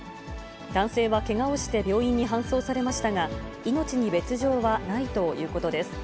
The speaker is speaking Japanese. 男性はけがをして病院に搬送されましたが、命に別状はないということです。